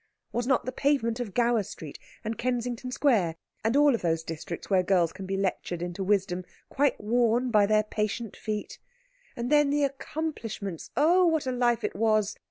Was not the pavement of Gower Street, and Kensington Square, and of all those districts where girls can be lectured into wisdom, quite worn by their patient feet? And then the accomplishments! Oh, what a life it was!